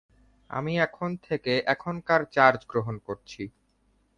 আমি এখন থেকে এখনকার চার্জ গ্রহন করছি।